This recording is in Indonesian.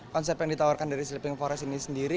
konsep yang ditawarkan dari sleepping forest ini sendiri